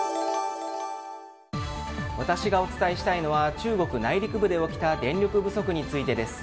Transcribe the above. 私がお伝えしたいのは中国内陸部で起きた電力不足についてです。